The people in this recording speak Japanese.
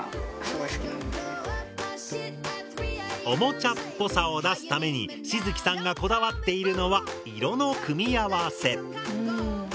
おもちゃっぽさを出すためにしづきさんがこだわっているのは色の組み合わせ。